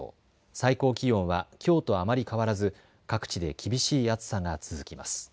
最高気温はきょうとあまり変わらず各地で厳しい暑さが続きます。